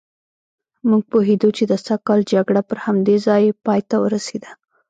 موږ پوهېدو چې د سږ کال جګړه پر همدې ځای پایته ورسېده.